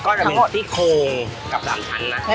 ก็จะเป็นซี่โครงกับดำชั้นนะ